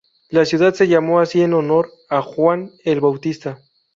La ciudad se llamó así en honor a Juan el Bautista.